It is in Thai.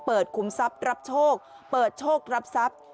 คุมทรัพย์รับโชคเปิดโชครับทรัพย์